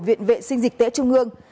viện vệ sinh dịch tễ trung ương